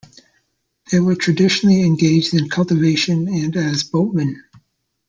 They were traditionally engaged in cultivation and as boatmen.